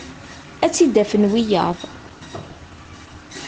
Ad tt-id-afen wiyaḍ.